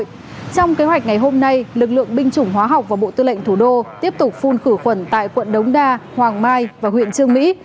trong kế hoạch ngày hôm nay lực lượng binh chủng hóa học và bộ tư lệnh thủ đô tiếp tục phun khử khuẩn tại quận đống đa hoàng mai và huyện trương mỹ